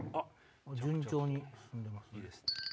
順調に進んでますね。